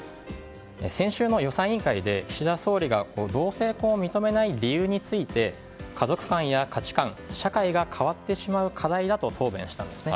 先週の予算委員会で岸田総理が同性婚を認めない理由について家族観や価値観社会が変わってしまう課題だと答弁したんですね。